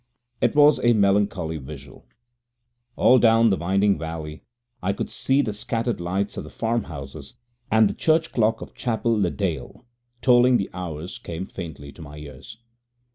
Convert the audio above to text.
It was a melancholy vigil. All down the winding valley I could see the scattered lights of the farm houses, and the church clock of Chapel le Dale tolling the hours came faintly to my ears.